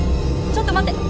ちょっと待って。